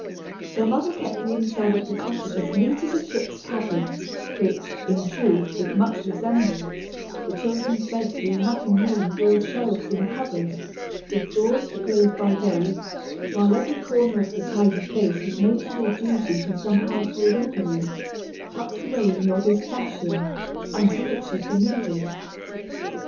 Their mother kept the inside of the cottage as neat as a ship's cabin, which, in truth, it much resembled, the children's beds being nothing more than broad shelves in a cupboard, with doors to close by day; while every corner of the tidy place was made to do duty for some household implement, tucked away in the oddest fashion, until it should be needed.